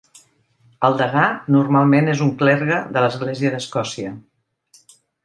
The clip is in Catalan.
El Degà normalment és un clergue de l'Església d'Escòcia.